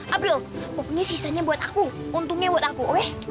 abdul wapungnya sisanya buat aku untungnya buat aku oke